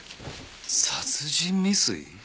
殺人未遂？